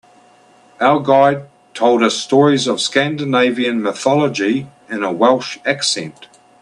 Our guide told us stories of Scandinavian mythology in a Welsh accent.